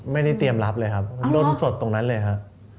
ไม่ได้เตรียมรับเลยครับล้นสดตรงนั้นเลยครับ